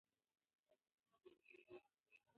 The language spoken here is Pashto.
که منطق نه وي، آیا دلیل به کمزوری نه وي؟